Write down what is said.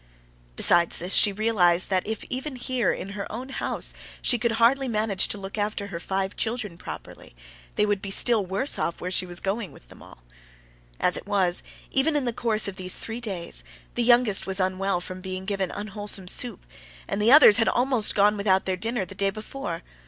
Besides this, she realized that if even here in her own house she could hardly manage to look after her five children properly, they would be still worse off where she was going with them all. As it was, even in the course of these three days, the youngest was unwell from being given unwholesome soup, and the others had almost gone without their dinner the day before.